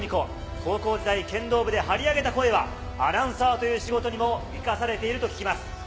高校時代、剣道部で張り上げた声は、アナウンサーとしての仕事にも生かされていると聞きます。